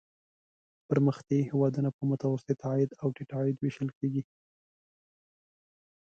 پرمختیايي هېوادونه په متوسط عاید او ټیټ عاید ویشل کیږي.